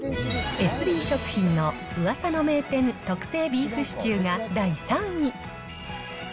エスビー食品の噂の名店特製ビーフシチューです。